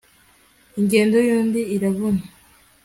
ingendo y'undi iravuna